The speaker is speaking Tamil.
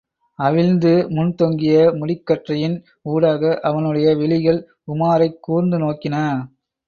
அவிழ்ந்து முன் தொங்கிய முடிக்கற்றையின் ஊடாக அவனுடைய விழிகள் உமாரைக் கூர்ந்து நோக்கின.